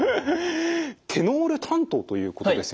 テノール担当ということですよね。